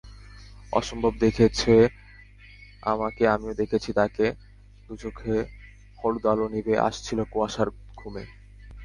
অসম্ভব দেখেছে আমাকে, আমিও দেখেছি তাকে—দুচোখে হলুদ আলো নিভে আসছিল কুয়াশার ঘুমে।